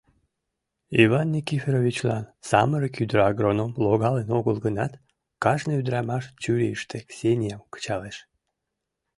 Иван Никифоровичлан самырык ӱдыр агроном логалын огыл гынат, кажне ӱдырамаш чурийыште Ксениям кычалеш.